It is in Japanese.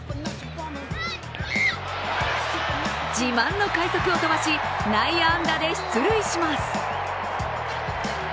自慢の快足を飛ばし内野安打で出塁します。